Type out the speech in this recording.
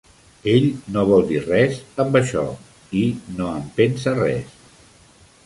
Ell no vol dir res, amb això, i no en pensa res.